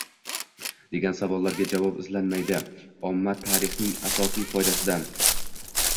degan savollarga javob izlanmaydi. Omma tarixning asosiy foydasidan